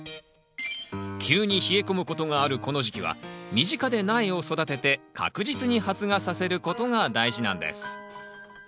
急に冷え込むことがあるこの時期は身近で苗を育てて確実に発芽させることが大事なんです。